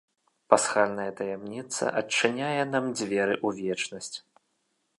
Пасхальная таямніца адчыняе нам дзверы ў вечнасць.